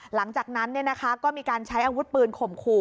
หลังจากนั้นเนี่ยนะคะก็มีการใช้อาวุธปืนขมขู่